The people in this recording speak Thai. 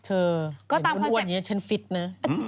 เธอเหมือนอ่วนอย่างนี้ฉันฟิตน่ะ